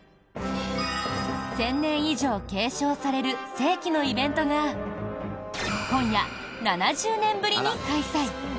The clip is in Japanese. １０００年以上継承される世紀のイベントが今夜、７０年ぶりに開催。